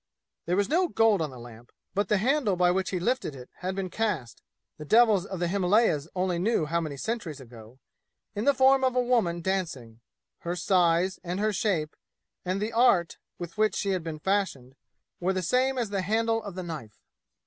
There was no gold on the lamp; but the handle by which he lifted it had been cast, the devils of the Himalayas only knew how many centuries ago, in the form of a woman dancing; her size, and her shape, and the art with which she had been fashioned, were the same as the handle of the knife.